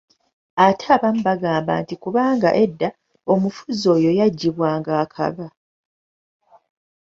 Ate abamu bagamba nti kubanga edda omufuzi oyo yaggibwanga akaba.